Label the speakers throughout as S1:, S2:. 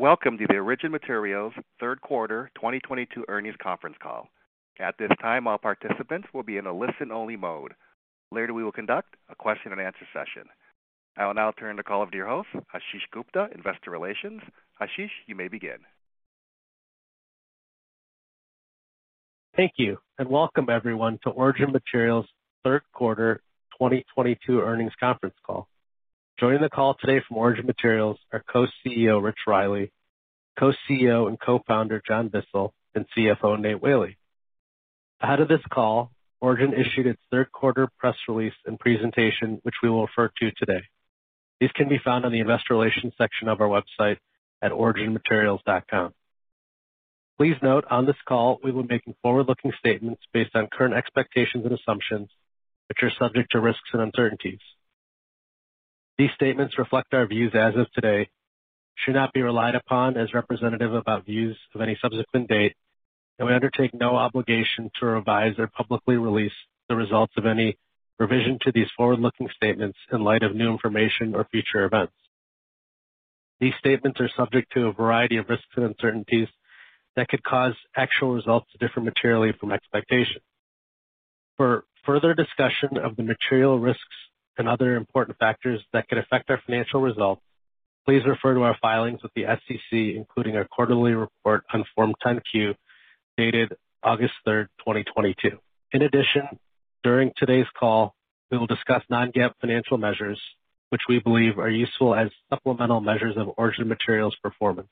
S1: Welcome to the Origin Materials third quarter 2022 earnings conference call. At this time, all participants will be in a listen-only mode. Later, we will conduct a question and answer session. I will now turn the call over to your host, Ashish Gupta, Investor Relations. Ashish, you may begin.
S2: Thank you and welcome everyone to Origin Materials third quarter 2022 earnings conference call. Joining the call today from Origin Materials are Co-CEO Rich Riley, Co-CEO and Co-Founder John Bissell, and CFO Nate Whaley. Ahead of this call, Origin issued its third quarter press release and presentation, which we will refer to today. These can be found on the investor relations section of our website at originmaterials.com. Please note on this call, we will be making forward-looking statements based on current expectations and assumptions which are subject to risks and uncertainties. These statements reflect our views as of today, should not be relied upon as representative of our views of any subsequent date, and we undertake no obligation to revise or publicly release the results of any revision to these forward-looking statements in light of new information or future events. These statements are subject to a variety of risks and uncertainties that could cause actual results to differ materially from expectations. For further discussion of the material risks and other important factors that could affect our financial results, please refer to our filings with the SEC, including our quarterly report on Form 10-Q dated August 3rd, 2022. In addition, during today's call, we will discuss non-GAAP financial measures which we believe are useful as supplemental measures of Origin Materials performance.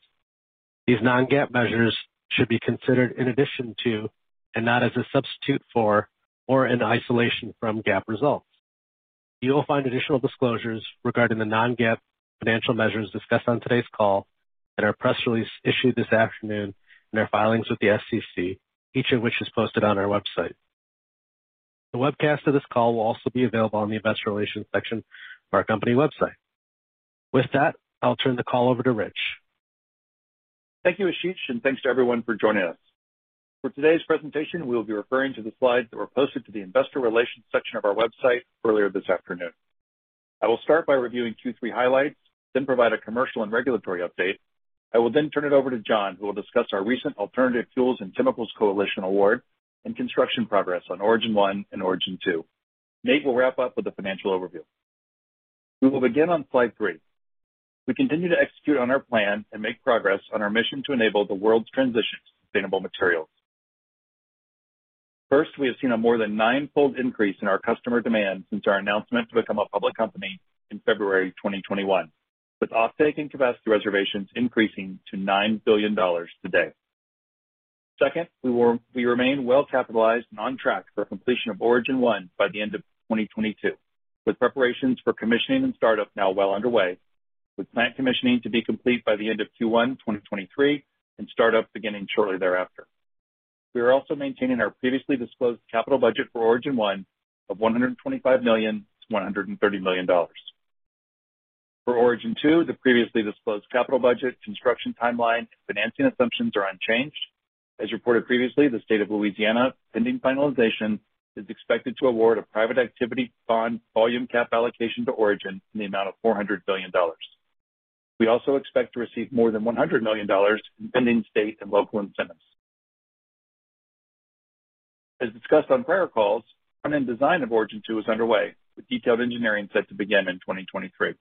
S2: These non-GAAP measures should be considered in addition to and not as a substitute for or in isolation from GAAP results. You will find additional disclosures regarding the non-GAAP financial measures discussed on today's call in our press release issued this afternoon and our filings with the SEC, each of which is posted on our website. The webcast of this call will also be available on the investor relations section of our company website. With that, I'll turn the call over to Rich.
S3: Thank you, Ashish, and thanks to everyone for joining us. For today's presentation, we will be referring to the slides that were posted to the investor relations section of our website earlier this afternoon. I will start by reviewing two, three highlights, then provide a commercial and regulatory update. I will then turn it over to John, who will discuss our recent Alternative Fuels & Chemicals Coalition award and construction progress on Origin 1 and Origin 2. Nate will wrap up with the financial overview. We will begin on slide three. We continue to execute on our plan and make progress on our mission to enable the world's transition to sustainable materials. First, we have seen a more than nine-fold increase in our customer demand since our announcement to become a public company in February 2021, with offtake and capacity reservations increasing to $9 billion today. Second, we remain well capitalized and on track for completion of Origin 1 by the end of 2022, with preparations for commissioning and startup now well underway, with plant commissioning to be complete by the end of Q1 2023 and startup beginning shortly thereafter. We are also maintaining our previously disclosed capital budget for Origin 1 of $125 million-$130 million. For Origin 2, the previously disclosed capital budget, construction timeline, and financing assumptions are unchanged. As reported previously, the state of Louisiana, pending finalization, is expected to award a private activity bond volume cap allocation to Origin in the amount of $400 billion. We also expect to receive more than $100 million in pending state and local incentives. As discussed on prior calls, front-end design of Origin 2 is underway, with detailed engineering set to begin in 2023.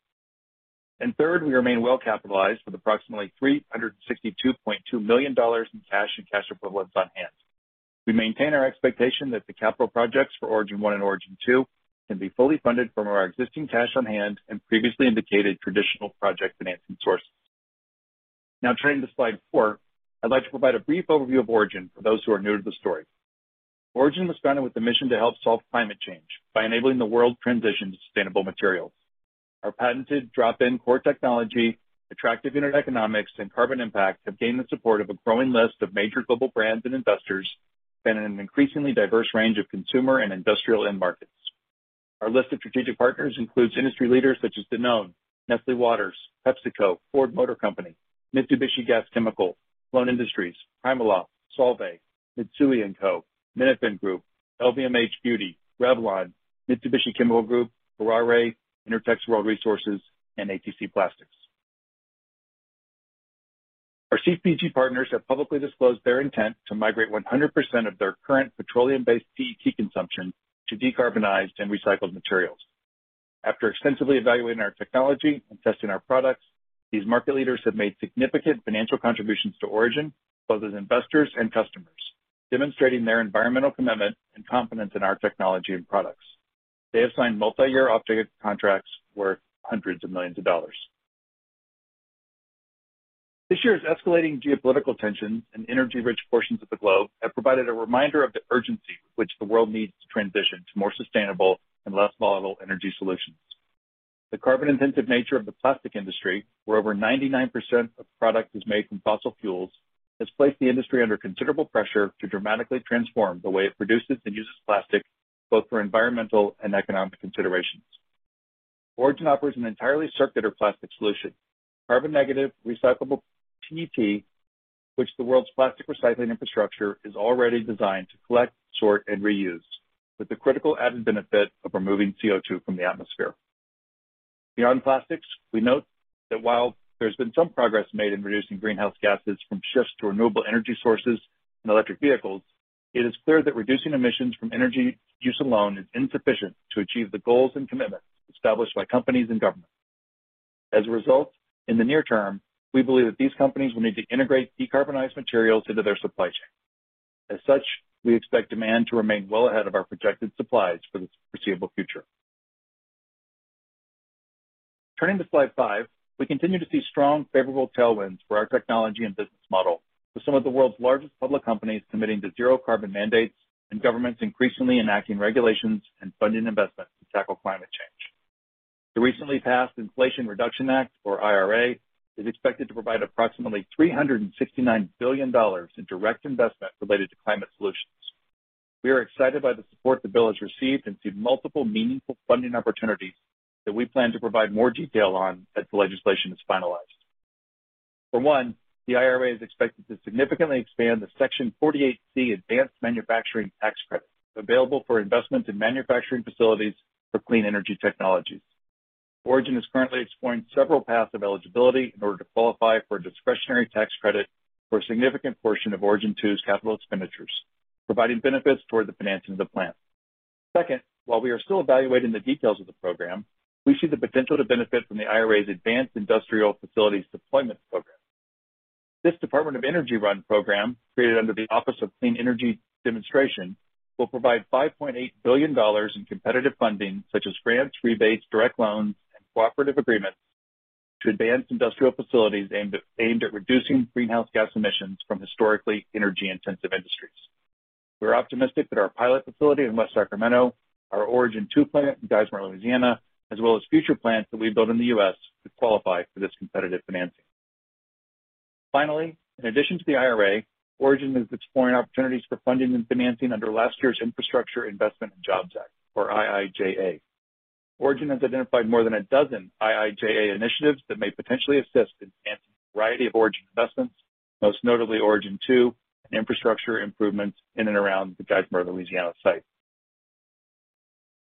S3: Third, we remain well capitalized with approximately $362.2 million in cash and cash equivalents on hand. We maintain our expectation that the capital projects for Origin 1 and Origin 2 can be fully funded from our existing cash on hand and previously indicated traditional project financing sources. Now turning to slide four, I'd like to provide a brief overview of Origin for those who are new to the story. Origin was founded with the mission to help solve climate change by enabling the world transition to sustainable materials. Our patented drop-in core technology, attractive unit economics, and carbon impact have gained the support of a growing list of major global brands and investors and an increasingly diverse range of consumer and industrial end markets. Our list of strategic partners includes industry leaders such as Danone, Nestlé Waters, PepsiCo, Ford Motor Company, Mitsubishi Gas Chemical, Kolon Industries, Himalaya, Solvay, Mitsui & Co., Minafin Group, LVMH Beauty, Revlon, Mitsubishi Chemical Group, Ferrari, Intertex World Resources, and ATC Plastics. Our CPG partners have publicly disclosed their intent to migrate 100% of their current petroleum-based PET consumption to decarbonized and recycled materials. After extensively evaluating our technology and testing our products, these market leaders have made significant financial contributions to Origin, both as investors and customers, demonstrating their environmental commitment and confidence in our technology and products. They have signed multi-year offtake contracts worth hundreds of millions of dollars. This year's escalating geopolitical tensions in energy-rich portions of the globe have provided a reminder of the urgency with which the world needs to transition to more sustainable and less volatile energy solutions. The carbon-intensive nature of the plastic industry, where over 99% of product is made from fossil fuels, has placed the industry under considerable pressure to dramatically transform the way it produces and uses plastic, both for environmental and economic considerations. Origin offers an entirely circular plastic solution. Carbon negative recyclable PET, which the world's plastic recycling infrastructure is already designed to collect, sort, and reuse, with the critical added benefit of removing CO2 from the atmosphere. Beyond plastics, we note that while there's been some progress made in reducing greenhouse gases from shifts to renewable energy sources and electric vehicles, it is clear that reducing emissions from energy use alone is insufficient to achieve the goals and commitments established by companies and governments. As a result, in the near term, we believe that these companies will need to integrate decarbonized materials into their supply chain. As such, we expect demand to remain well ahead of our projected supplies for the foreseeable future. Turning to slide five, we continue to see strong favorable tailwinds for our technology and business model, with some of the world's largest public companies committing to zero carbon mandates and governments increasingly enacting regulations and funding investments to tackle climate change. The recently passed Inflation Reduction Act, or IRA, is expected to provide approximately $369 billion in direct investments related to climate solutions. We are excited by the support the bill has received and see multiple meaningful funding opportunities that we plan to provide more detail on as the legislation is finalized. For one, the IRA is expected to significantly expand the Section 48C Advanced Manufacturing Tax Credit, available for investment in manufacturing facilities for clean energy technologies. Origin is currently exploring several paths of eligibility in order to qualify for a discretionary tax credit for a significant portion of Origin 2's capital expenditures, providing benefits toward the financing of the plant. Second, while we are still evaluating the details of the program, we see the potential to benefit from the IRA's Advanced Industrial Facilities Deployment program. This Department of Energy-run program, created under the Office of Clean Energy Demonstrations, will provide $5.8 billion in competitive funding, such as grants, rebates, direct loans, and cooperative agreements to advance industrial facilities aimed at reducing greenhouse gas emissions from historically energy-intensive industries. We're optimistic that our pilot facility in West Sacramento, our Origin 2 plant in Geismar, Louisiana, as well as future plants that we build in the U.S. to qualify for this competitive financing. Finally, in addition to the IRA, Origin is exploring opportunities for funding and financing under last year's Infrastructure Investment and Jobs Act, or IIJA. Origin has identified more than a dozen IIJA initiatives that may potentially assist in advancing a variety of Origin investments, most notably Origin 2 and infrastructure improvements in and around the Geismar, Louisiana site.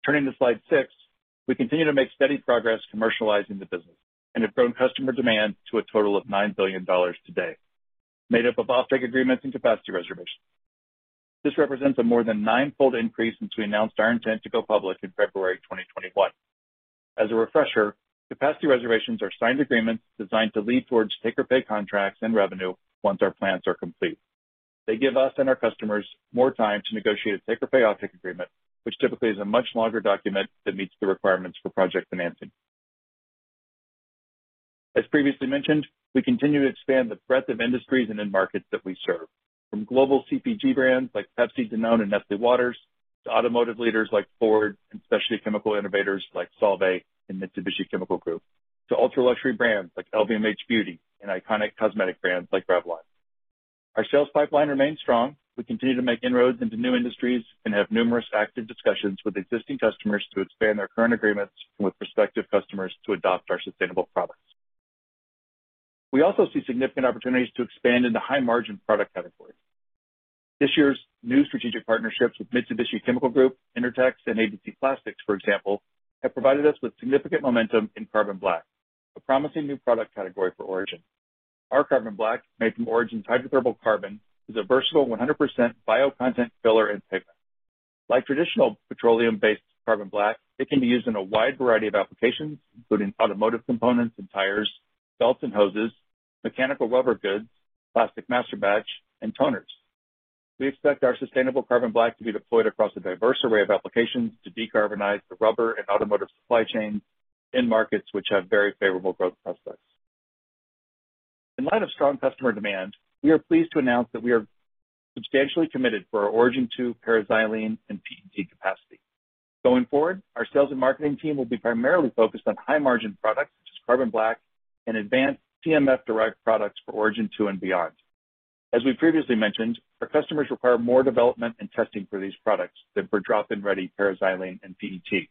S3: Turning to slide six, we continue to make steady progress commercializing the business and have grown customer demand to a total of $9 billion today, made up of offtake agreements and capacity reservations. This represents a more than nine-fold increase since we announced our intent to go public in February 2021. As a refresher, capacity reservations are signed agreements designed to lead towards take or pay contracts and revenue once our plants are complete. They give us and our customers more time to negotiate a take or pay offtake agreement, which typically is a much longer document that meets the requirements for project financing. As previously mentioned, we continue to expand the breadth of industries and end markets that we serve, from global CPG brands like Pepsi, Danone, and Nestlé Waters, to automotive leaders like Ford, and specialty chemical innovators like Solvay and Mitsubishi Chemical Group, to ultra-luxury brands like LVMH Beauty and iconic cosmetic brands like Revlon. Our sales pipeline remains strong. We continue to make inroads into new industries and have numerous active discussions with existing customers to expand their current agreements with prospective customers to adopt our sustainable products. We also see significant opportunities to expand into high-margin product categories. This year's new strategic partnerships with Mitsubishi Chemical Group, Intertex, and ATC Plastics, for example, have provided us with significant momentum in carbon black, a promising new product category for Origin. Our carbon black, made from Origin's hydrothermal carbon, is a versatile 100% bio-content filler and pigment. Like traditional petroleum-based carbon black, it can be used in a wide variety of applications, including automotive components and tires, belts and hoses, mechanical rubber goods, plastic master batch, and toners. We expect our sustainable carbon black to be deployed across a diverse array of applications to decarbonize the rubber and automotive supply chains, end markets which have very favorable growth prospects. In light of strong customer demand, we are pleased to announce that we are substantially committed for our Origin 2 paraxylene and PET capacity. Going forward, our sales and marketing team will be primarily focused on high-margin products such as carbon black and advanced HMF-derived products for Origin 2 and beyond. As we previously mentioned, our customers require more development and testing for these products than for drop-in ready paraxylene and PET.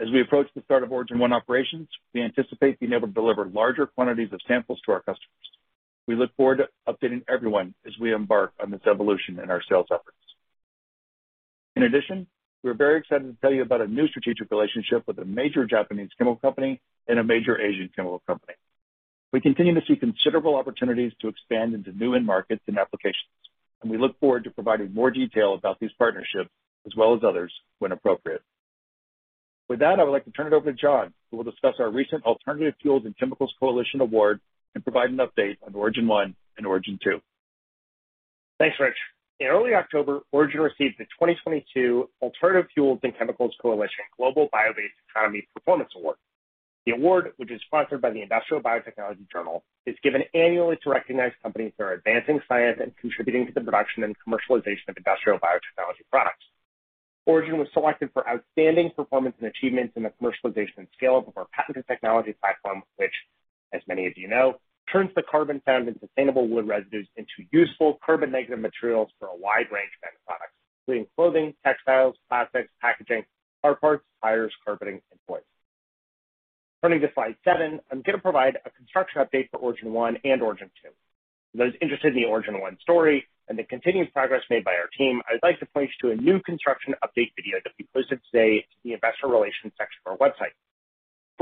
S3: As we approach the start of Origin 1 operations, we anticipate being able to deliver larger quantities of samples to our customers. We look forward to updating everyone as we embark on this evolution in our sales efforts. In addition, we're very excited to tell you about a new strategic relationship with a major Japanese chemical company and a major Asian chemical company. We continue to see considerable opportunities to expand into new end markets and applications, and we look forward to providing more detail about these partnerships, as well as others, when appropriate. With that, I would like to turn it over to John, who will discuss our recent Alternative Fuels & Chemicals Coalition award and provide an update on Origin 1 and Origin 2.
S4: Thanks, Rich. In early October, Origin received the 2022 Alternative Fuels & Chemicals Coalition Global Bio-based Economy Performance Award. The award, which is sponsored by the Industrial Biotechnology journal, is given annually to recognize companies that are advancing science and contributing to the production and commercialization of industrial biotechnology products. Origin was selected for outstanding performance and achievements in the commercialization and scale-up of our patented technology platform, which, as many of you know, turns the carbon found in sustainable wood residues into useful carbon negative materials for a wide range of end products, including clothing, textiles, plastics, packaging, car parts, tires, carpeting, and wood. Turning to slide seven, I'm gonna provide a construction update for Origin 1 and Origin 2. Those interested in the Origin 1 story and the continuous progress made by our team, I'd like to point you to a new construction update video that we posted today to the investor relations section of our website.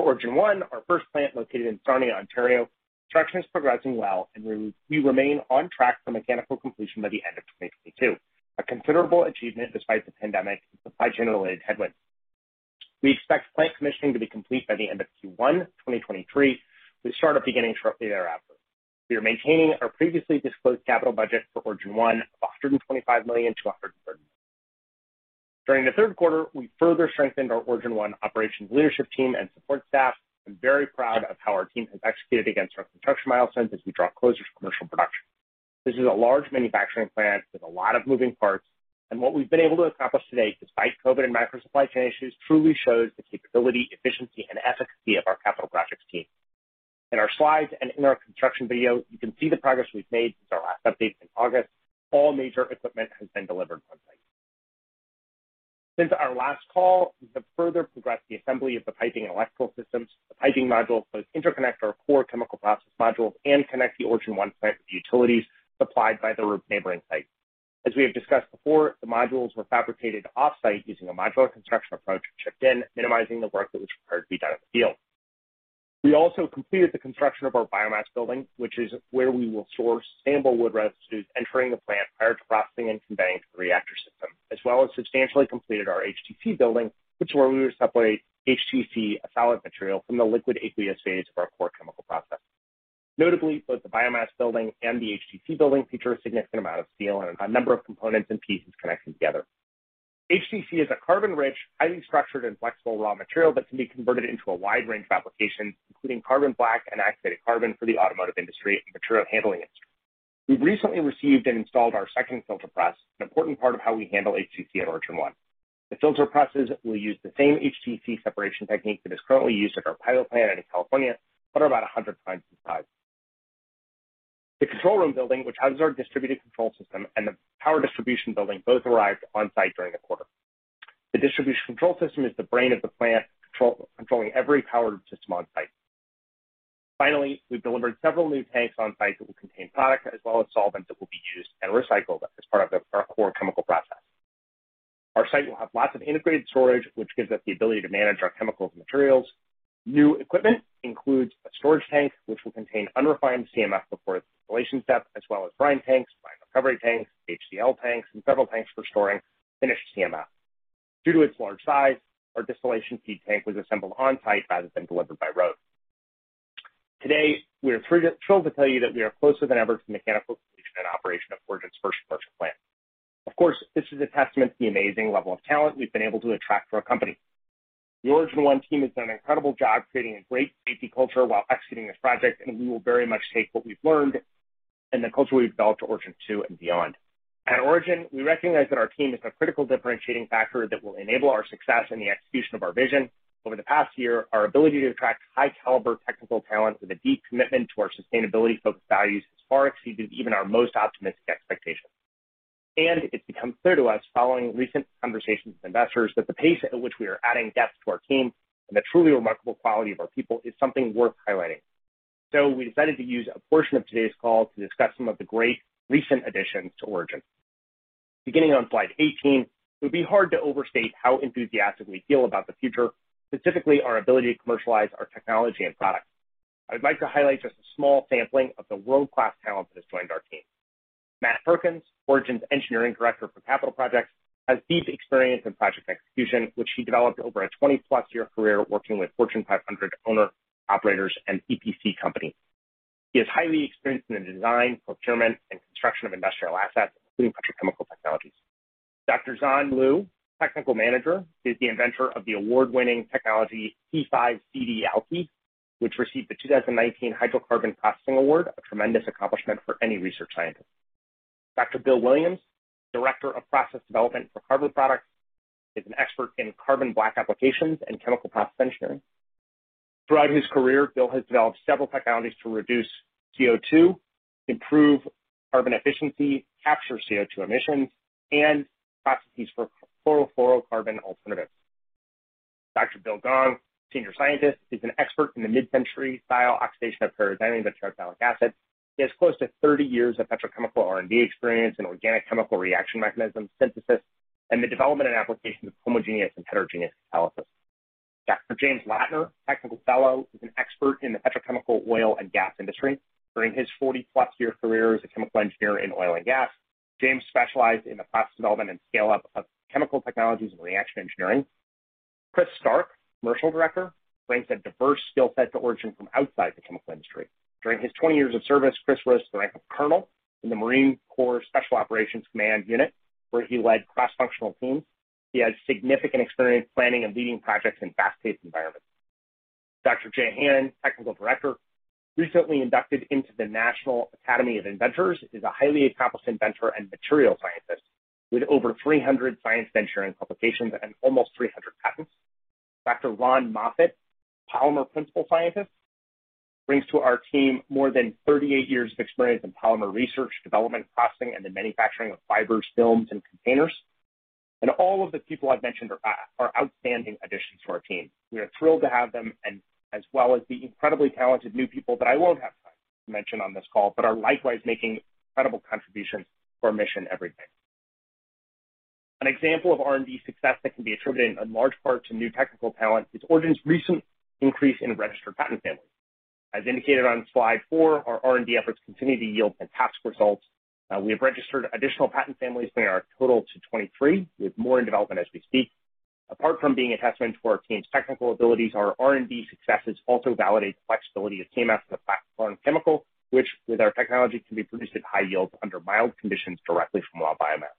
S4: For Origin 1, our first plant located in Sarnia, Ontario, construction is progressing well, and we remain on track for mechanical completion by the end of 2022. A considerable achievement despite the pandemic and supply chain-related headwinds. We expect plant commissioning to be complete by the end of Q1 2023. We start up beginning shortly thereafter. We are maintaining our previously disclosed capital budget for Origin 1 of $125 million-$130 million. During the third quarter, we further strengthened our Origin 1 operations leadership team and support staff. I'm very proud of how our team has executed against our construction milestones as we draw closer to commercial production. This is a large manufacturing plant with a lot of moving parts, and what we've been able to accomplish to date, despite COVID and macro supply chain issues, truly shows the capability, efficiency, and efficacy of our capital projects team. In our slides and in our construction video, you can see the progress we've made since our last update in August. All major equipment has been delivered on-site. Since our last call, we've further progressed the assembly of the piping and electrical systems. The piping modules both interconnect our core chemical process modules and connect the Origin 1 site with utilities supplied by the neighboring site. As we have discussed before, the modules were fabricated off-site using a modular construction approach and shipped in, minimizing the work that was required to be done at the field. We also completed the construction of our biomass building, which is where we will store sustainable wood residues entering the plant prior to processing and conveying to the reactor system, as well as substantially completed our HTC building, which is where we will separate HTC, a solid material, from the liquid aqueous phase of our core chemical process. Notably, both the biomass building and the HTC building feature a significant amount of steel and a number of components and pieces connected together. HTC is a carbon-rich, highly structured and flexible raw material that can be converted into a wide range of applications, including carbon black and activated carbon for the automotive industry and material handling industry. We've recently received and installed our second filter press, an important part of how we handle HTC at Origin 1. The filter presses will use the same HTC separation technique that is currently used at our pilot plant out in California, but are about 100x the size. The control room building, which houses our distributed control system and the power distribution building, both arrived on-site during the quarter. The distributed control system is the brain of the plant, controlling every power system on-site. Finally, we delivered several new tanks on-site that will contain product as well as solvents that will be used and recycled as part of our core chemical process. Our site will have lots of integrated storage, which gives us the ability to manage our chemicals and materials. New equipment includes a storage tank, which will contain unrefined CMF before its distillation step, as well as brine tanks, brine recovery tanks, HDL tanks, and several tanks for storing finished CMF. Due to its large size, our distillation feed tank was assembled on-site rather than delivered by road. Today, we are thrilled to tell you that we are closer than ever to mechanical completion and operation of Origin's first commercial plant. Of course, this is a testament to the amazing level of talent we've been able to attract to our company. The Origin 1 team has done an incredible job creating a great safety culture while executing this project, and we will very much take what we've learned and the culture we've developed to Origin 2 and beyond. At Origin, we recognize that our team is a critical differentiating factor that will enable our success in the execution of our vision. Over the past year, our ability to attract high caliber technical talent with a deep commitment to our sustainability-focused values has far exceeded even our most optimistic expectations. It's become clear to us following recent conversations with investors that the pace at which we are adding depth to our team and the truly remarkable quality of our people is something worth highlighting. We decided to use a portion of today's call to discuss some of the great recent additions to Origin. Beginning on slide 18, it would be hard to overstate how enthusiastic we feel about the future, specifically our ability to commercialize our technology and products. I'd like to highlight just a small sampling of the world-class talent that has joined our team. Matt Plavan, Origin's engineering director for capital projects, has deep experience in project execution, which he developed over a 20+ year career working with Fortune 500 owner operators and EPC company. He is highly experienced in the design, procurement, and construction of industrial assets, including petrochemical technologies. Dr. Zhan Liu, Technical Manager, is the inventor of the award-winning technology, C5CD Alky, which received the 2019 Hydrocarbon Processing Award, a tremendous accomplishment for any research scientist. Dr. Bill Williams, Director of Process Development for Carbon Products, is an expert in carbon black applications and chemical process engineering. Throughout his career, Bill has developed several technologies to reduce CO2, improve carbon efficiency, capture CO2 emissions, and processes for chlorofluorocarbon alternatives. Dr. William Gong, Senior Scientist, is an expert in the Mid-Century style oxidation of para-xylene to terephthalic acid. He has close to 30 years of petrochemical R&D experience in organic chemical reaction mechanisms, synthesis, and the development and application of homogeneous and heterogeneous catalysis. Dr. James Lattner, Technical Fellow, is an expert in the petrochemical oil and gas industry. During his 40-plus-year career as a chemical engineer in oil and gas, James specialized in the process development and scale-up of chemical technologies and reaction engineering. Chris Stark, Commercial Director, brings a diverse skill set to Origin from outside the chemical industry. During his 20 years of service, Chris rose to the rank of colonel in the Marine Corps Special Operations Command unit, where he led cross-functional teams. He has significant experience planning and leading projects in fast-paced environments. Dr. Jay Han, Technical Director, recently inducted into the National Academy of Inventors, is a highly accomplished inventor and material scientist with over 300 science ventures and publications and almost 300 patents. Dr. Ron Moffitt, Polymer Principal Scientist, brings to our team more than 38 years of experience in polymer research, development, processing, and the manufacturing of fibers, films, and containers. All of the people I've mentioned are outstanding additions to our team. We are thrilled to have them as well as the incredibly talented new people that I won't have time to mention on this call, but are likewise making incredible contributions to our mission every day. An example of R&D success that can be attributed in large part to new technical talent is Origin's recent increase in registered patent families. As indicated on slide four, our R&D efforts continue to yield fantastic results. We have registered additional patent families, bringing our total to 23, with more in development as we speak. Apart from being a testament to our team's technical abilities, our R&D successes also validate the flexibility of CMF as a platform chemical, which with our technology can be produced at high yields under mild conditions directly from raw biomass.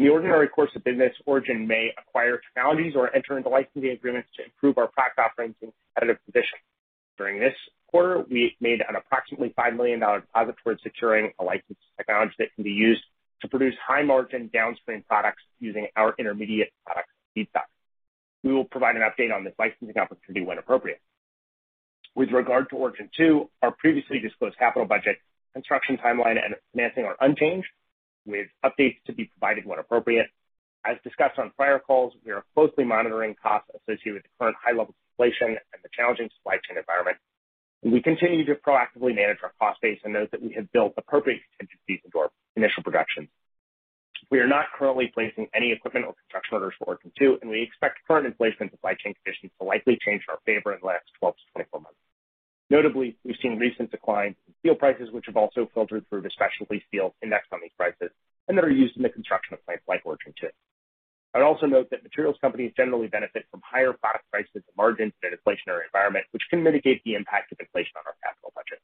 S4: In the ordinary course of business, Origin may acquire technologies or enter into licensing agreements to improve our product offerings and competitive position. During this quarter, we made an approximately $5 million deposit towards securing a licensed technology that can be used to produce high-margin downstream products using our intermediate product, feedstock. We will provide an update on this licensing opportunity when appropriate. With regard to Origin 2, our previously disclosed capital budget, construction timeline, and financing are unchanged with updates to be provided when appropriate. As discussed on prior calls, we are closely monitoring costs associated with the current high levels of inflation and the challenging supply chain environment. We continue to proactively manage our cost base and note that we have built appropriate contingencies into our initial production. We are not currently placing any equipment or construction orders for Origin 2, and we expect current inflation and supply chain conditions to likely change in our favor in the last 12 months-24 months. Notably, we've seen recent declines in steel prices, which have also filtered through the specialty steel indexed on these prices and that are used in the construction of plants like Origin 2. I'd also note that materials companies generally benefit from higher product prices and margins in an inflationary environment, which can mitigate the impact of inflation on our capital budget.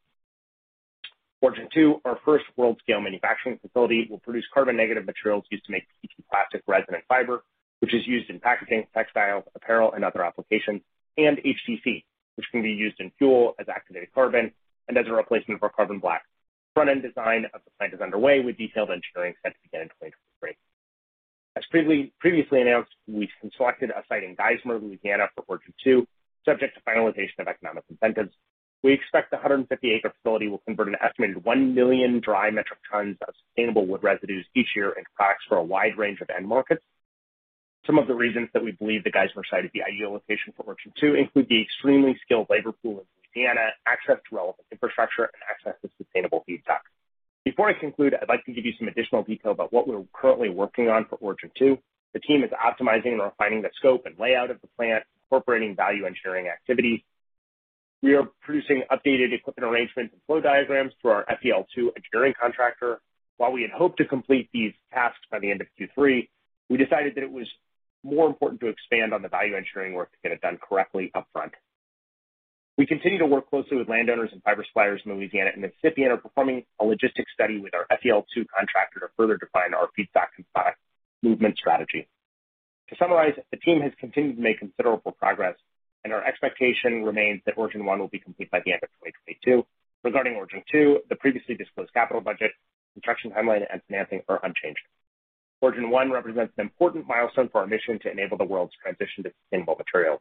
S4: Origin 2, our first world-scale manufacturing facility, will produce carbon-negative materials used to make PET plastic resin and fiber, which is used in packaging, textiles, apparel, and other applications. HTC, which can be used in fuel as activated carbon and as a replacement for carbon black. Front-end design of the plant is underway, with detailed engineering set to begin in 2023. As previously announced, we've selected a site in Geismar, Louisiana, for Origin 2, subject to finalization of economic incentives. We expect the 150-acre facility will convert an estimated 1 million dry metric tons of sustainable wood residues each year into products for a wide range of end markets. Some of the reasons that we believe the Geismar site is the ideal location for Origin 2 include the extremely skilled labor pool in Louisiana, access to relevant infrastructure, and access to sustainable feedstocks. Before I conclude, I'd like to give you some additional detail about what we're currently working on for Origin 2. The team is optimizing and refining the scope and layout of the plant, incorporating value-engineering activities. We are producing updated equipment arrangements and flow diagrams for our FEL-2 engineering contractor. While we had hoped to complete these tasks by the end of Q3, we decided that it was more important to expand on the value engineering work to get it done correctly upfront. We continue to work closely with landowners and fiber suppliers in Louisiana and Mississippi and are performing a logistics study with our FEL-2 contractor to further define our feedstock and product movement strategy. To summarize, the team has continued to make considerable progress, and our expectation remains that Origin 1 will be complete by the end of 2022. Regarding Origin 2, the previously disclosed capital budget, construction timeline, and financing are unchanged. Origin 1 represents an important milestone for our mission to enable the world's transition to sustainable materials.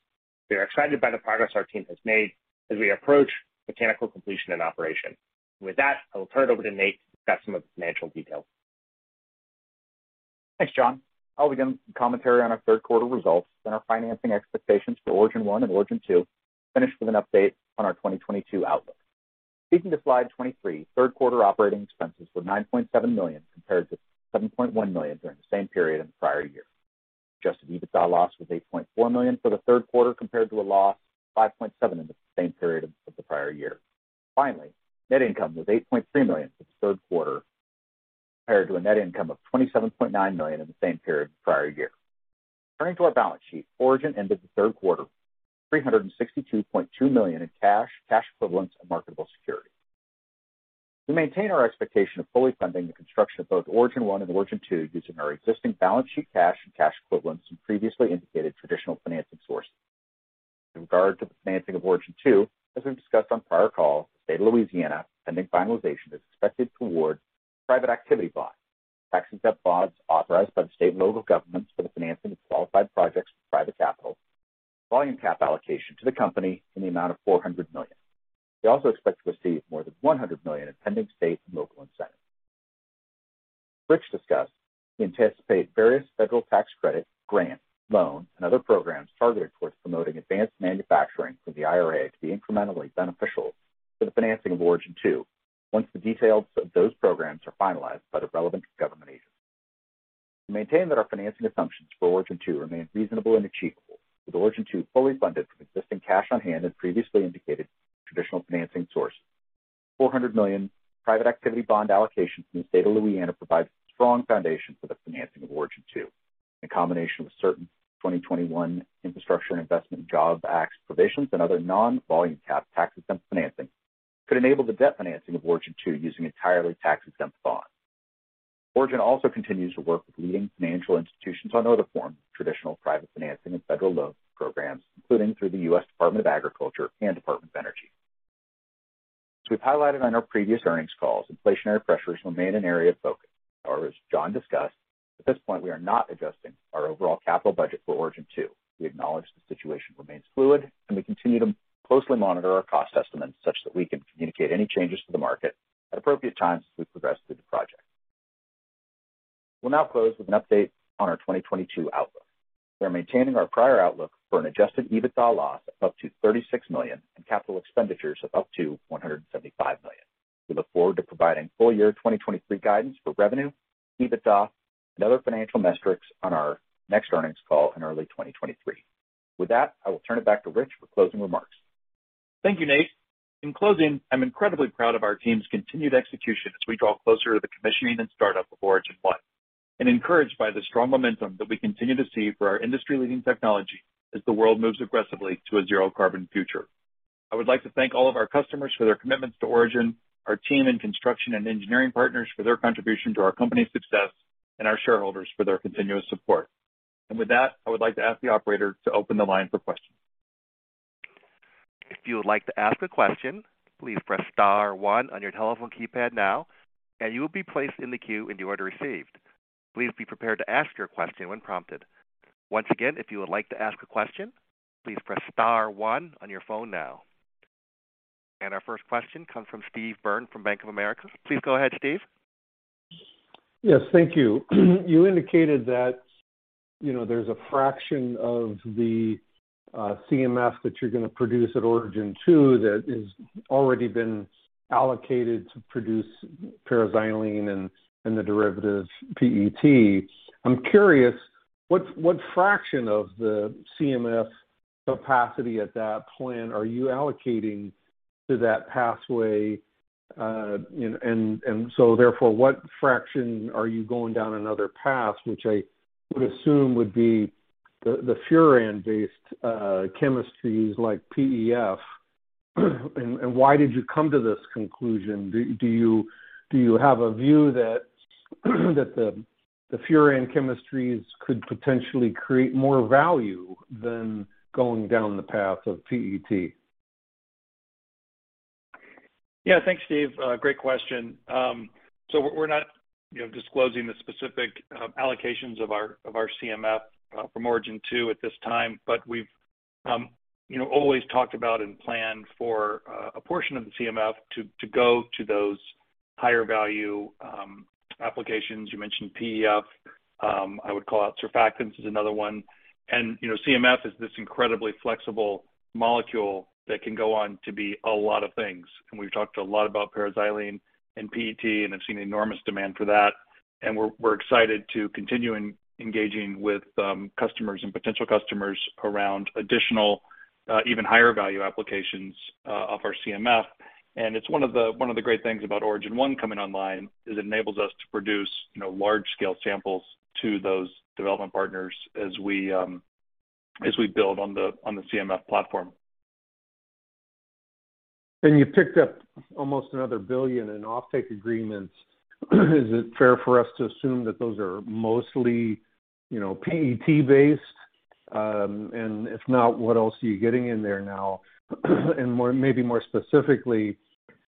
S4: We are excited by the progress our team has made as we approach mechanical completion and operation. With that, I will turn it over to Nate to discuss some of the financial details.
S5: Thanks, John. I'll begin with commentary on our third quarter results, then our financing expectations for Origin 1 and Origin 2, finish with an update on our 2022 outlook. Speaking to slide 23, third quarter operating expenses were $9.7 million, compared to $7.1 million during the same period in the prior year. Adjusted EBITDA loss was $8.4 million for the third quarter, compared to a loss of $5.7 million in the same period of the prior year. Finally, net income was $8.3 million for the third quarter, compared to a net income of $27.9 million in the same period the prior year. Turning to our balance sheet, Origin ended the third quarter with $362.2 million in cash equivalents, and marketable securities. We maintain our expectation of fully funding the construction of both Origin 1 and Origin 2 using our existing balance sheet cash and cash equivalents from previously indicated traditional financing sources. In regard to the financing of Origin 2, as we've discussed on prior calls, the state of Louisiana, pending finalization, is expected to award private activity bonds, tax-exempt bonds authorized by the state and local governments for the financing of qualified projects with private capital, volume cap allocation to the company in the amount of $400 million. We also expect to receive more than $100 million in pending state and local incentives. As Rich discussed, we anticipate various federal tax credits, grants, loans, and other programs targeted towards promoting advanced manufacturing from the IRA to be incrementally beneficial for the financing of Origin 2 once the details of those programs are finalized by the relevant government agencies. We maintain that our financing assumptions for Origin 2 remain reasonable and achievable, with Origin 2 fully funded from existing cash on hand and previously indicated traditional financing sources. The $400 million private activity bond allocation from the state of Louisiana provides a strong foundation for the financing of Origin 2. In combination with certain 2021 Infrastructure Investment and Jobs Act provisions and other non-volume cap tax-exempt financing, could enable the debt financing of Origin 2 using entirely tax-exempt bonds. Origin also continues to work with leading financial institutions on other forms of traditional private financing and federal loan programs, including through the U.S. Department of Agriculture and Department of Energy. As we've highlighted on our previous earnings calls, inflationary pressures remain an area of focus. Or as John discussed, at this point, we are not adjusting our overall capital budget for Origin 2. We acknowledge the situation remains fluid, and we continue to closely monitor our cost estimates such that we can communicate any changes to the market at appropriate times as we progress through the project. We'll now close with an update on our 2022 outlook. We are maintaining our prior outlook for an adjusted EBITDA loss of up to $36 million and capital expenditures of up to $175 million. We look forward to providing full year 2023 guidance for revenue, EBITDA, and other financial metrics on our next earnings call in early 2023. With that, I will turn it back to Rich for closing remarks.
S3: Thank you, Nate. In closing, I'm incredibly proud of our team's continued execution as we draw closer to the commissioning and startup of Origin 1, and encouraged by the strong momentum that we continue to see for our industry-leading technology as the world moves aggressively to a zero carbon future. I would like to thank all of our customers for their commitments to Origin, our team and construction and engineering partners for their contribution to our company's success and our shareholders for their continuous support. With that, I would like to ask the operator to open the line for questions.
S1: If you would like to ask a question, please press star one on your telephone keypad now, and you will be placed in the queue in the order received. Please be prepared to ask your question when prompted. Once again, if you would like to ask a question, please press star one on your phone now. Our first question comes from Steve Byrne from Bank of America. Please go ahead, Steve.
S6: Yes, thank you. You indicated that, you know, there's a fraction of the CMF that you're gonna produce at Origin 2 that has already been allocated to produce paraxylene and the derivative PET. I'm curious what fraction of the CMF capacity at that plant are you allocating to that pathway? What fraction are you going down another path, which I would assume would be the furan-based chemistries like PEF? Why did you come to this conclusion? Do you have a view that the furan chemistries could potentially create more value than going down the path of PET?
S3: Yeah, thanks, Steve. Great question. We're not, you know, disclosing the specific allocations of our CMF from Origin, too, at this time. We've, you know, always talked about and planned for a portion of the CMF to go to those higher value applications. You mentioned PEF. I would call out surfactants is another one. You know, CMF is this incredibly flexible molecule that can go on to be a lot of things. We've talked a lot about paraxylene and PET, and I've seen enormous demand for that. We're excited to continue engaging with customers and potential customers around additional even higher value applications of our CMF. It's one of the great things about Origin 1 coming online, is it enables us to produce, you know, large scale samples to those development partners as we build on the CMF platform.
S6: You picked up almost another $1 billion in offtake agreements. Is it fair for us to assume that those are mostly, you know, PET-based? If not, what else are you getting in there now? More, maybe more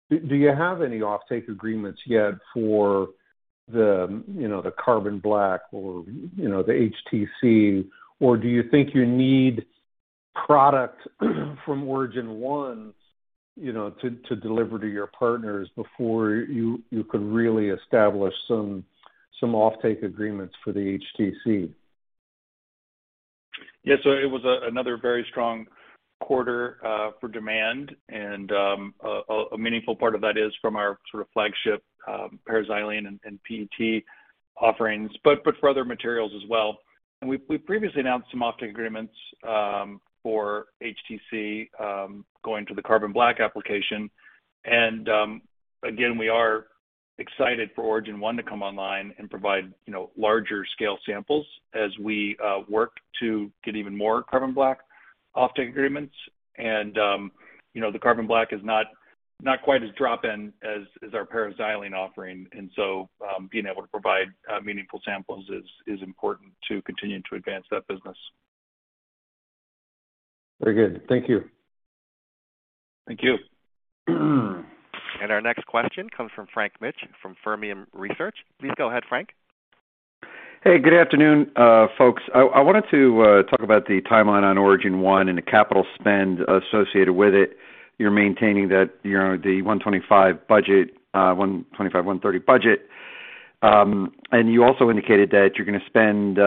S6: specifically, do you have any offtake agreements yet for the, you know, the carbon black or, you know, the HTC? Or do you think you need product from Origin 1, you know, to deliver to your partners before you could really establish some offtake agreements for the HTC?
S3: It was another very strong quarter for demand. A meaningful part of that is from our sort of flagship paraxylene and PET offerings, but for other materials as well. We've previously announced some offtake agreements for HTC going to the carbon black application. Again, we are excited for Origin 1 to come online and provide you know larger scale samples as we work to get even more carbon black offtake agreements. You know, the carbon black is not quite as drop-in as our paraxylene offering. Being able to provide meaningful samples is important to continuing to advance that business.
S6: Very good. Thank you.
S3: Thank you.
S1: Our next question comes from Frank Mitsch from Fermium Research. Please go ahead, Frank.
S7: Hey, good afternoon, folks. I wanted to talk about the timeline on Origin 1 and the capital spend associated with it. You're maintaining that, you know, the $125 million-$130 million budget. You also indicated that you're gonna spend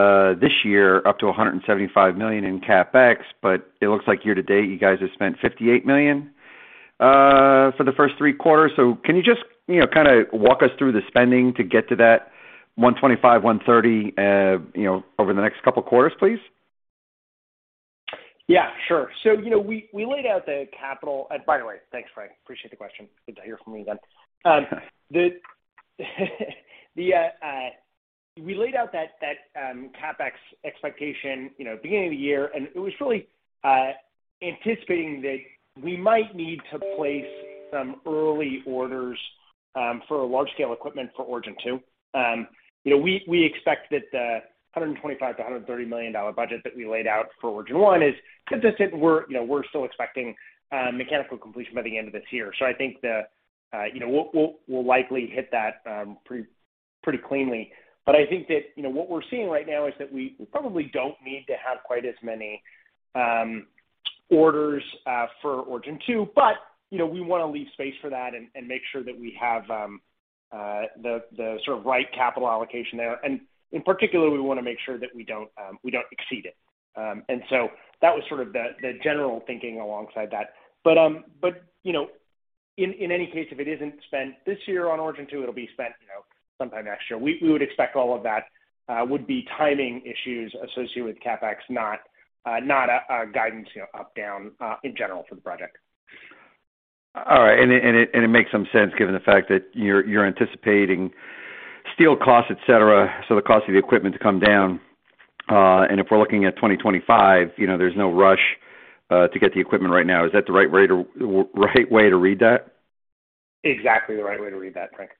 S7: this year up to $175 million in CapEx, but it looks like year-to-date you guys have spent $58 million for the first three quarters. Can you just, you know, kinda walk us through the spending to get to that $125-$130, you know, over the next couple quarters, please?
S5: Yeah, sure. You know, we laid out the capital. By the way, thanks, Frank, appreciate the question. Good to hear from you again. We laid out that CapEx expectation, you know, beginning of the year, and it was really anticipating that we might need to place some early orders.
S4: For a large scale equipment for Origin 2. You know, we expect that the $125 million-$130 million budget that we laid out for Origin 1 is consistent. We're, you know, still expecting mechanical completion by the end of this year. I think we'll likely hit that pretty cleanly. But I think that, you know, what we're seeing right now is that we probably don't need to have quite as many orders for Origin 2, but, you know, we wanna leave space for that and make sure that we have the sort of right capital allocation there. In particular, we wanna make sure that we don't exceed it. That was sort of the general thinking alongside that. But you know, in any case, if it isn't spent this year on Origin 2, it'll be spent, you know, sometime next year. We would expect all of that would be timing issues associated with CapEx, not a guidance, you know, up, down, in general for the project.
S7: It makes some sense given the fact that you're anticipating steel costs, et cetera, so the cost of the equipment to come down. If we're looking at 2025, you know, there's no rush to get the equipment right now. Is that the right way to read that?
S4: Exactly the right way to read that, Frank.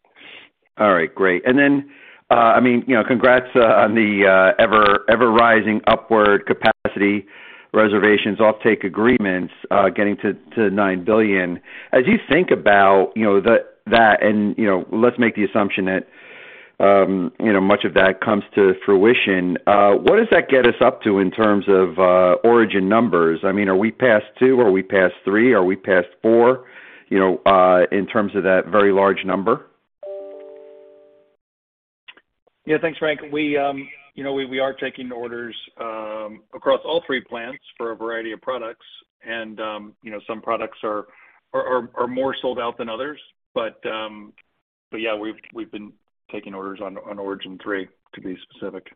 S7: All right, great. I mean, you know, congrats on the ever rising upward capacity reservations offtake agreements getting to $9 billion. As you think about, you know, that and, you know, let's make the assumption that, you know, much of that comes to fruition, what does that get us up to in terms of, Origin numbers? I mean, are we past two? Are we past three? Are we past four, you know, in terms of that very large number?
S3: Yeah, thanks, Frank. We, you know, are taking orders across all three plants for a variety of products and, you know, some products are more sold out than others. Yeah, we've been taking orders on Origin 3 to be specific.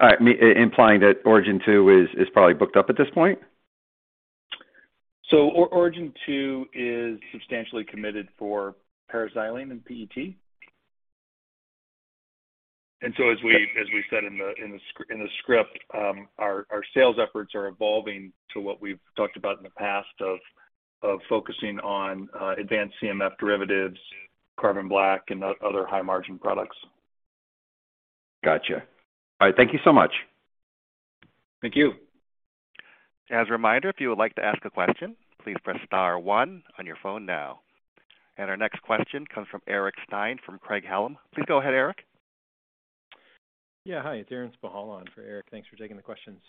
S7: All right. I'm implying that Origin 2 is probably booked up at this point?
S3: Origin 2 is substantially committed for paraxylene and PET. As we said in the script, our sales efforts are evolving to what we've talked about in the past of focusing on advanced CMF derivatives, carbon black and other high margin products.
S7: Gotcha. All right, thank you so much.
S3: Thank you.
S1: As a reminder, if you would like to ask a question, please press star one on your phone now. Our next question comes from Eric Stine, from Craig-Hallum. Please go ahead, Eric.
S8: Yeah, hi, it's Aaron Spychala in for Eric Stine. Thanks for taking the questions.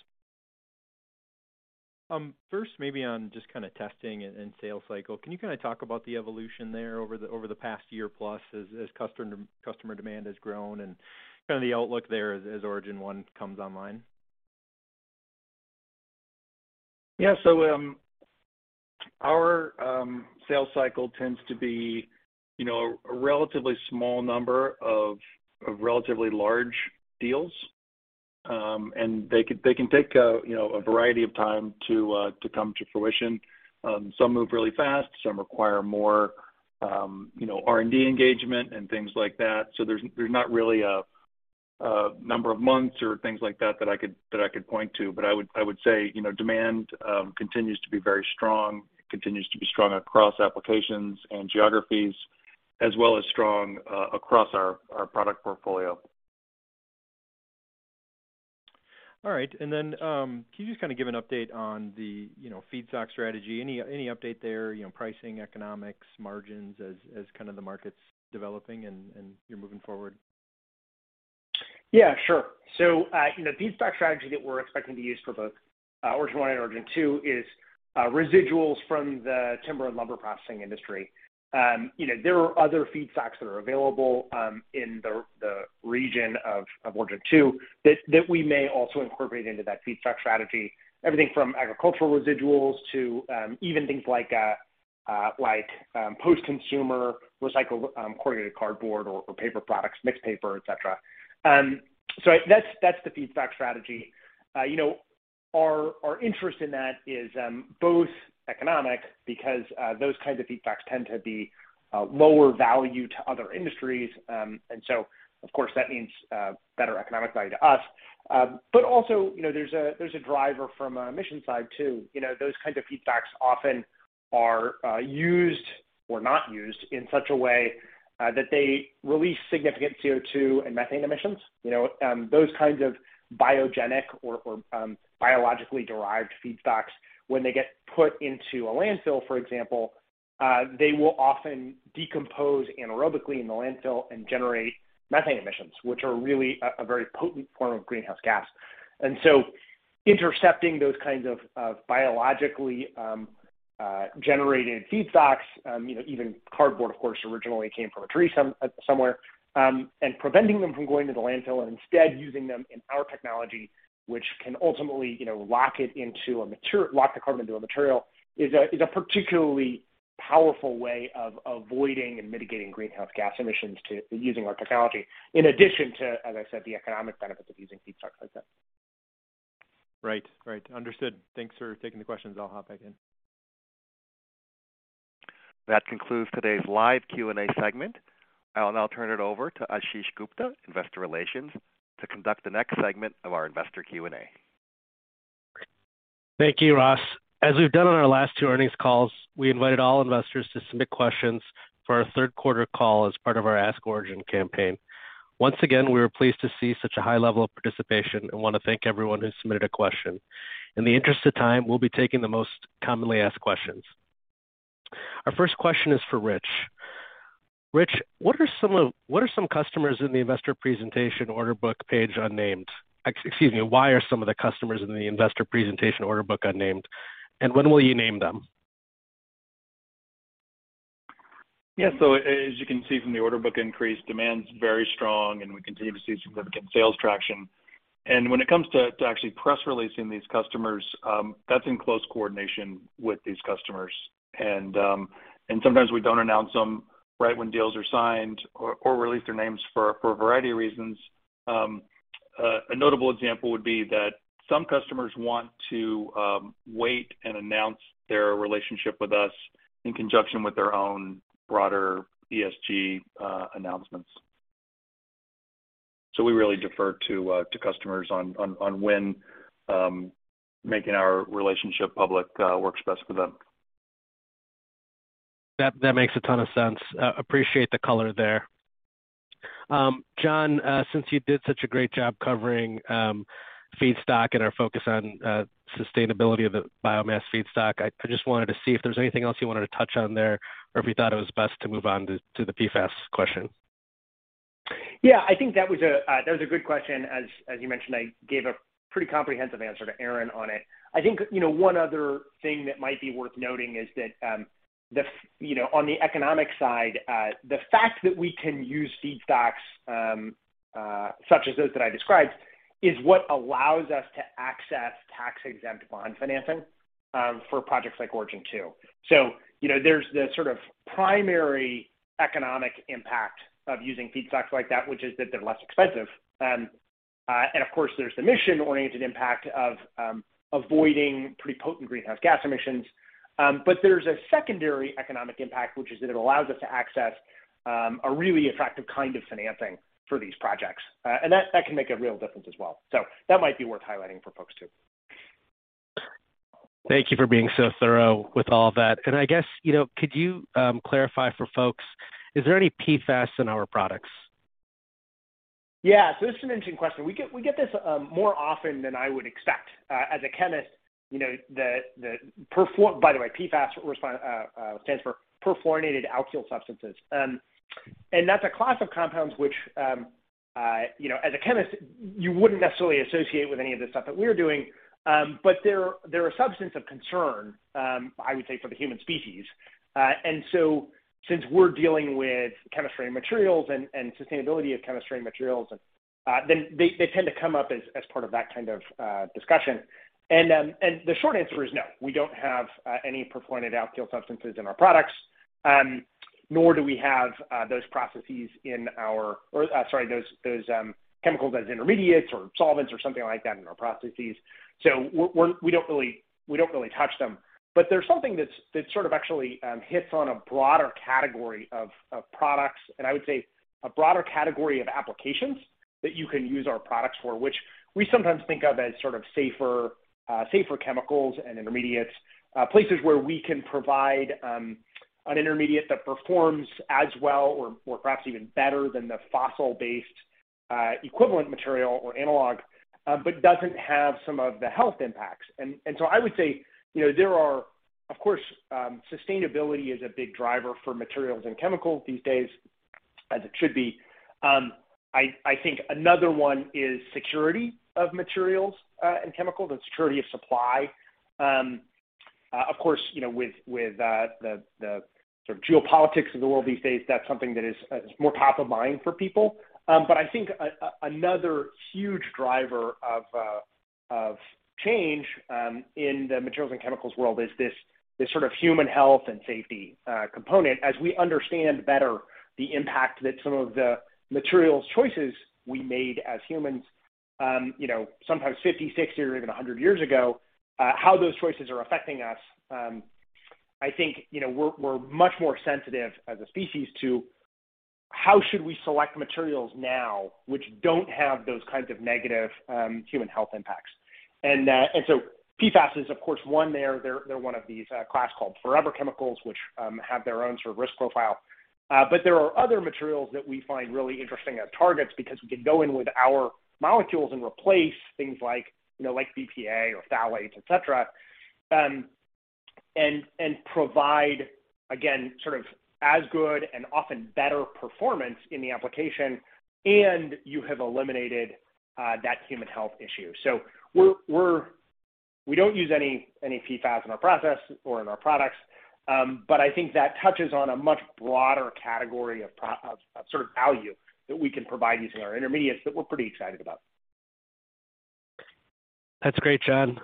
S8: First, maybe on just kinda testing and sales cycle. Can you kinda talk about the evolution there over the past year plus as customer demand has grown and kinda the outlook there as Origin 1 comes online?
S3: Yeah. Our sales cycle tends to be, you know, a relatively small number of relatively large deals. They can take, you know, a variety of time to come to fruition. Some move really fast, some require more, you know, R&D engagement and things like that. There's not really a number of months or things like that that I could point to. I would say, you know, demand continues to be very strong. It continues to be strong across applications and geographies, as well as strong across our product portfolio.
S8: All right. Can you just kinda give an update on the, you know, feedstock strategy? Any update there, you know, pricing, economics, margins as kind of the market's developing and you're moving forward?
S4: Yeah, sure. Feedstock strategy that we're expecting to use for both Origin 1 and Origin 2 is residuals from the timber and lumber processing industry. You know, there are other feedstocks that are available in the region of Origin 2 that we may also incorporate into that feedstock strategy. Everything from agricultural residuals to even things like post-consumer recycled corrugated cardboard or paper products, mixed paper, et cetera. That's the feedstock strategy. You know, our interest in that is both economic because those kinds of feedstocks tend to be lower value to other industries. Of course, that means better economic value to us. Also, you know, there's a driver from an emission side too. You know, those kinds of feedstocks often are used or not used in such a way that they release significant CO2 and methane emissions. You know, those kinds of biogenic or biologically derived feedstocks, when they get put into a landfill, for example, they will often decompose anaerobically in the landfill and generate methane emissions, which are really a very potent form of greenhouse gas. Intercepting those kinds of biologically generated feedstocks, you know, even cardboard of course originally came from a tree somewhere, and preventing them from going to the landfill and instead using them in our technology, which can ultimately, you know, lock the carbon into a material is a particularly powerful way of avoiding and mitigating greenhouse gas emissions to using our technology, in addition to, as I said, the economic benefits of using feedstocks like that.
S8: Right. Understood. Thanks for taking the questions. I'll hop back in.
S1: That concludes today's live Q&A segment. I'll now turn it over to Ashish Gupta, Investor Relations, to conduct the next segment of our investor Q&A.
S2: Thank you, Ross. As we've done on our last two earnings calls, we invited all investors to submit questions for our third quarter call as part of our Ask Origin campaign. Once again, we were pleased to see such a high level of participation and want to thank everyone who submitted a question. In the interest of time, we'll be taking the most commonly asked questions. Our first question is for Rich. Rich, excuse me, why are some of the customers in the investor presentation order book unnamed, and when will you name them?
S3: Yeah, so as you can see from the order book increase, demand's very strong, and we continue to see significant sales traction. When it comes to actually press releasing these customers, that's in close coordination with these customers. Sometimes we don't announce them right when deals are signed or release their names for a variety of reasons. A notable example would be that some customers want to wait and announce their relationship with us in conjunction with their own broader ESG announcements. We really defer to customers on when making our relationship public works best for them.
S2: That makes a ton of sense. Appreciate the color there. John, since you did such a great job covering feedstock and our focus on sustainability of the biomass feedstock, I just wanted to see if there's anything else you wanted to touch on there or if you thought it was best to move on to the PFAS question.
S4: Yeah. I think that was a good question. As you mentioned, I gave a pretty comprehensive answer to Aaron on it. I think, you know, one other thing that might be worth noting is that the fact that we can use feedstocks such as those that I described is what allows us to access tax-exempt bond financing for projects like Origin 2. You know, there's the sort of primary economic impact of using feedstocks like that, which is that they're less expensive. Of course, there's the mission-oriented impact of avoiding pretty potent greenhouse gas emissions. There's a secondary economic impact, which is that it allows us to access a really attractive kind of financing for these projects. That can make a real difference as well. That might be worth highlighting for folks too.
S2: Thank you for being so thorough with all that. I guess, you know, could you clarify for folks, is there any PFAS in our products?
S4: This is an interesting question. We get this more often than I would expect. As a chemist, you know, by the way, PFAS stands for perfluorinated alkyl substances. That's a class of compounds which, you know, as a chemist, you wouldn't necessarily associate with any of the stuff that we're doing. But they're a substance of concern, I would say for the human species. Since we're dealing with chemistry and materials and sustainability of chemistry and materials, they tend to come up as part of that kind of discussion. The short answer is no, we don't have any perfluorinated alkyl substances in our products, nor do we have those processes in our, sorry, those chemicals as intermediates or solvents or something like that in our processes. We don't really touch them. There's something that's that sort of actually hits on a broader category of products and I would say a broader category of applications that you can use our products for, which we sometimes think of as sort of safer chemicals and intermediates. Places where we can provide an intermediate that performs as well or perhaps even better than the fossil-based equivalent material or analog, but doesn't have some of the health impacts. I would say, you know, there are. Of course, sustainability is a big driver for materials and chemicals these days, as it should be. I think another one is security of materials, and chemicals and security of supply. Of course, you know, with the sort of geopolitics of the world these days, that's something that is more top of mind for people. I think another huge driver of change in the materials and chemicals world is this sort of human health and safety component. As we understand better the impact that some of the materials choices we made as humans, you know, sometimes 50 years, 60 years or even 100 years ago, how those choices are affecting us. I think, you know, we're much more sensitive as a species to how should we select materials now which don't have those kinds of negative human health impacts. PFAS is of course one there. They're one of these class called forever chemicals, which have their own sort of risk profile. There are other materials that we find really interesting as targets because we can go in with our molecules and replace things like, you know, like BPA or phthalates, et cetera, and provide, again, sort of as good and often better performance in the application. You have eliminated that human health issue. We don't use any PFAS in our process or in our products. I think that touches on a much broader category of sort of value that we can provide using our intermediates that we're pretty excited about.
S2: That's great, John.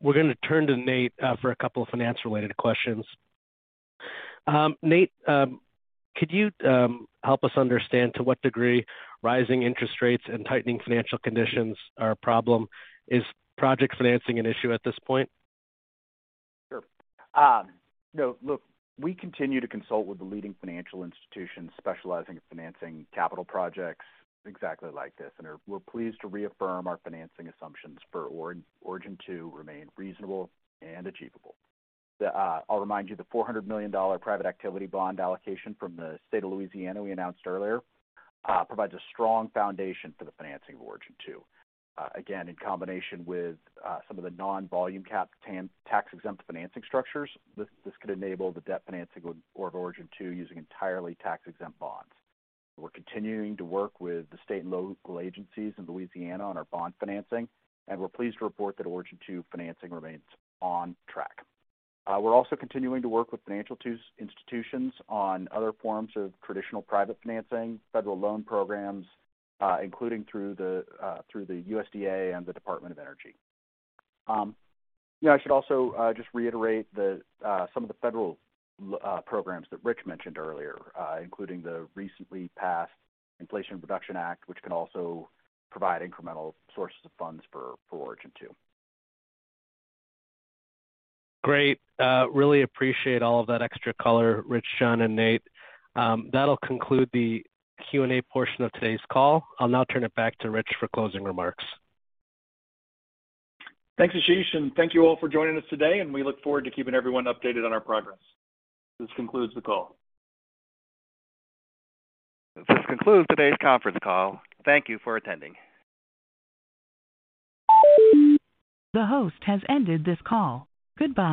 S2: We're gonna turn to Nate for a couple of finance-related questions. Nate, could you help us understand to what degree rising interest rates and tightening financial conditions are a problem? Is project financing an issue at this point?
S5: Sure. You know, look, we continue to consult with the leading financial institutions specializing in financing capital projects exactly like this, and we're pleased to reaffirm our financing assumptions for Origin 2 remain reasonable and achievable. I'll remind you, the $400 million private activity bond allocation from the state of Louisiana we announced earlier provides a strong foundation for the financing of Origin 2. Again, in combination with some of the non-volume cap tax-exempt financing structures. This could enable the debt financing of Origin 2 using entirely tax-exempt bonds. We're continuing to work with the state and local agencies in Louisiana on our bond financing, and we're pleased to report that Origin 2 financing remains on track. We're also continuing to work with financial institutions on other forms of traditional private financing, federal loan programs, including through the USDA and the Department of Energy. You know, I should also just reiterate some of the federal programs that Rich mentioned earlier, including the recently passed Inflation Reduction Act, which can also provide incremental sources of funds for Origin 2.
S2: Great. Really appreciate all of that extra color, Rich, John and Nate. That'll conclude the Q&A portion of today's call. I'll now turn it back to Rich for closing remarks.
S3: Thanks, Ashish, and thank you all for joining us today, and we look forward to keeping everyone updated on our progress. This concludes the call.
S2: This concludes today's conference call. Thank you for attending.
S1: The host has ended this call. Goodbye.